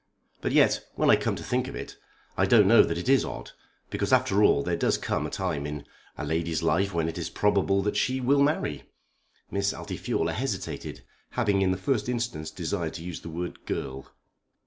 But yet when I come to think of it I don't know that it is odd. Because after all there does come a time in, a lady's life when it is probable that she will marry." Miss Altifiorla hesitated, having in the first instance desired to use the word girl.